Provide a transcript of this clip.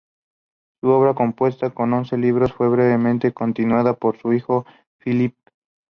Su obra, compuesta de once libros, fue brevemente continuada por su hijo Filippo.